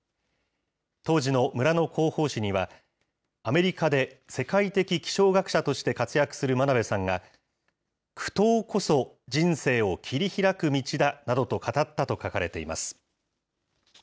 当時の村の広報誌には、アメリカで世界的気象学者として活躍する真鍋さんが、苦闘こそ人生を切り開く道だなどと語ったと書かれています。